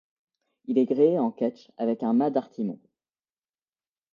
Il est gréé en ketch, avec un mât d'artimon.